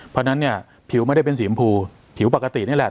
เพราะฉะนั้นเนี่ยผิวไม่ได้เป็นสีชมพูผิวปกตินี่แหละ